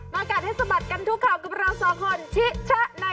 มากัดให้สบัดกันทุกครั้วกับเราสองคนชิชะในคู่กัดสบัดค่ะ